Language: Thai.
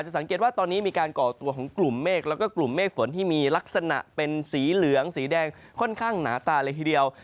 สังเกตว่าตอนนี้มีการก่อตัวของกลุ่มเมฆแล้วก็กลุ่มเมฆฝนที่มีลักษณะเป็นสีเหลืองสีแดงค่อนข้างหนาตาเลยทีเดียว